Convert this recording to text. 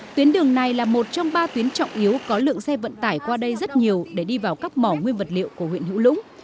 tuyến đường này là một trong ba tuyến trọng yếu có lượng xe vận tải qua đây rất nhiều để đi vào các mỏ nguyên vật liệu của huyện hữu lũng